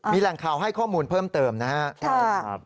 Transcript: มีแหล่งข่าวให้ข้อมูลเพิ่มเติมนะครับ